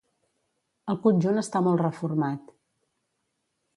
El conjunt està molt reformat.